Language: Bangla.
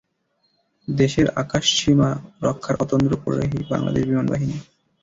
দেশের আকাশসীমা রক্ষার অতন্দ্র প্রহরী বাংলাদেশ বিমান বাহিনী।